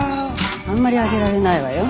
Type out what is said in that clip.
あんまり上げられないわよ。